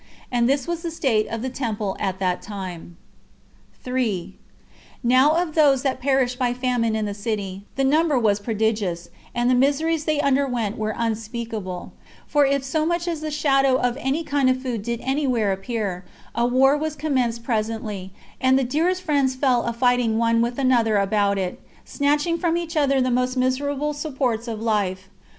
And this was the state of the temple at that time. 3. Now of those that perished by famine in the city, the number was prodigious, and the miseries they underwent were unspeakable; for if so much as the shadow of any kind of food did any where appear, a war was commenced presently, and the dearest friends fell a fighting one with another about it, snatching from each other the most miserable supports of life.